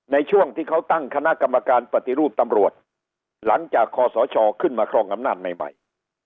ในช่วงที่เขาตั้งคณะกรรมการปฏิรูปตำรวจหลังจากคอสชขึ้นมาครองอำนาจใหม่